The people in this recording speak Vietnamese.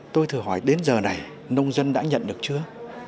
tôi thử hỏi đến giờ này nông dân đã nhận được chưa